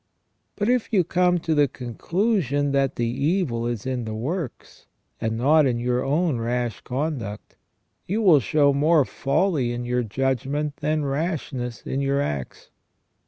But if you came to the conclusion that the evil is in the works, and not in your own rash conduct, you will show more folly in your judgment than rashness in your acts.